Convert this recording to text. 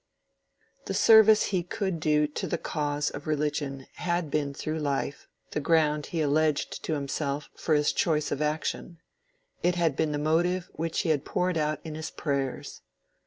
The service he could do to the cause of religion had been through life the ground he alleged to himself for his choice of action: it had been the motive which he had poured out in his prayers.